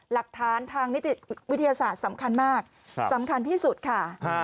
หลักฐานทางนิติวิทยาศาสตร์สำคัญมากสำคัญที่สุดค่ะ